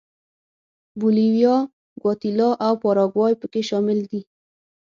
بولیویا، ګواتیلا او پاراګوای په کې شامل دي.